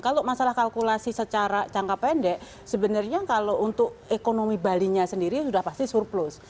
kalau masalah kalkulasi secara jangka pendek sebenarnya kalau untuk ekonomi balinya sendiri sudah pasti surplus